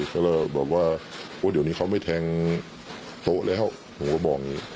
ก็เรียกตัวแบบว่าเดี๋ยวนี้เค้าไม่แทงโต๊ะแล้วผมก็บอกนึง